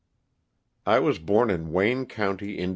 T WAS born in Wayne county, Ind.